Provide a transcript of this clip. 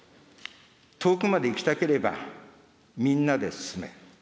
遠くまで行きたければ、みんなで進め。